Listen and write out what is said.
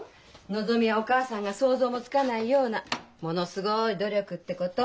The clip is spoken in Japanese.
のぞみやお母さんが想像もつかないようなものすごい努力ってこと。